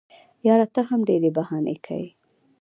یاره ته هم ډېري بهانې کیې.